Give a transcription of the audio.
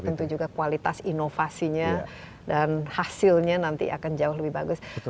tentu juga kualitas inovasinya dan hasilnya nanti akan jauh lebih bagus